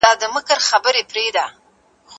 زموږ پاچا دی چي کوي به زموږ پالنه